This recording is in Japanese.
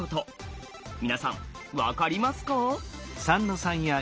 皆さん分かりますか？